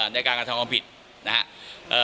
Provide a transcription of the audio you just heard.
ในการกระทำความผิดนะครับ